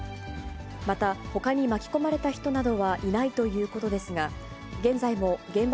また、ほかに巻き込まれた人などはいないということですが、現在も現場